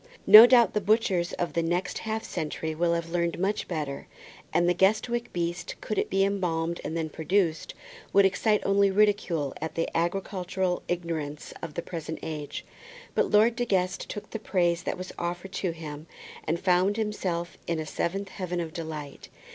No doubt the butchers of the next half century will have learned much better, and the Guestwick beast, could it be embalmed and then produced, would excite only ridicule at the agricultural ignorance of the present age; but Lord De Guest took the praise that was offered to him, and found himself in a seventh heaven of delight.